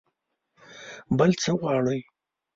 بل څه غواړئ؟